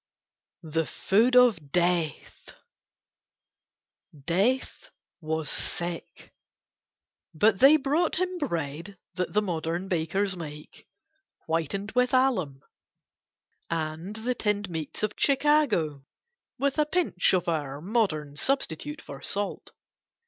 THE FOOD OF DEATH Death was sick. But they brought him bread that the modern bakers make, whitened with alum, and the tinned meats of Chicago, with a pinch of our modern substitute for salt.